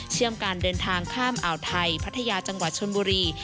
การเดินทางข้ามอ่าวไทยพัทยาจังหวัดชนบุรี